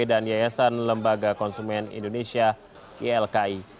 dan yayasan lembaga konsumen indonesia ilki